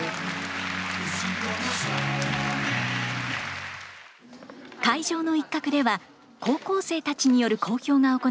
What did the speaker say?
会場の一角では高校生たちによる講評が行われていました。